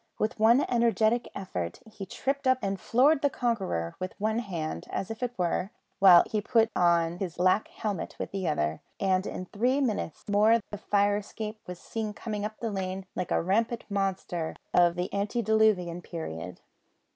With one energetic effort he tripped up and floored the conqueror with one hand, as it were, while he put on his black helmet with the other, and in three minutes more the fire escape was seen coming up the lane like a rampant monster of the antediluvian period.